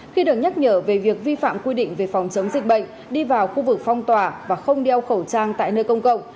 khi được nhắc nhở về việc vi phạm quy định về phòng chống dịch bệnh đi vào khu vực phong tỏa và không đeo khẩu trang tại nơi công cộng